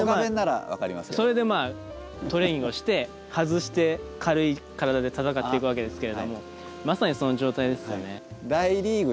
それでまあトレーニングをして外して軽い体で戦っていくわけですけれどもまさにその状態ですよね。